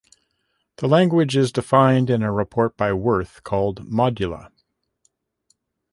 The language is defined in a report by Wirth called Modula.